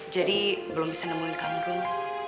jadi belum bisa nemuin kamu rom